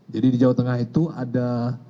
jadi di jawa tengah itu ada